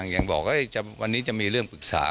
ยังบอกว่าวันนี้จะมีเรื่องปรึกษา